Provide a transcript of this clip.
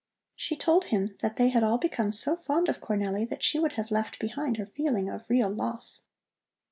She told him that they had all become so fond of Cornelli that she would have left behind a feeling of real loss.